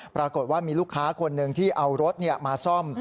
ปรากฏว่ามีลูกค้าคนหนึ่งที่เอารถมาซ่อม